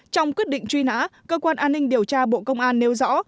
trong quyết định truy nã cơ quan an ninh điều tra bộ công an nêu rõ